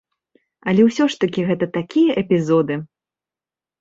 Але ўсё ж такі гэта такія эпізоды.